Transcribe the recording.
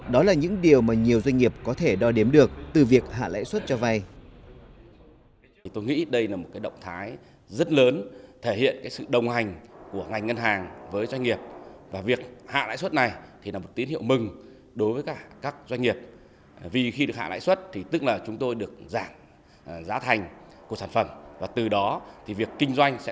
đó là những điều mà nhiều doanh nghiệp có thể đo đếm được từ việc hạ lãi suất cho vay